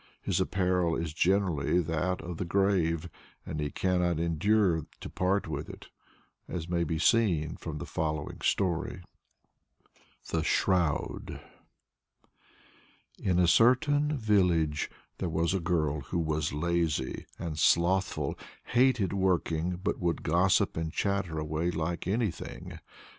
His apparel is generally that of the grave, and he cannot endure to part with it, as may be seen from the following story THE SHROUD. In a certain village there was a girl who was lazy and slothful, hated working but would gossip and chatter away like anything.